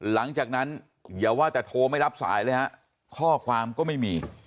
หลังจากนั้นอย่าว่าแต่โทรไม่รับสายเลยฮะข้อความก็ไม่มี